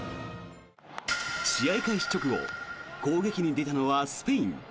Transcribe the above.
試合開始直後攻撃に出たのはスペイン。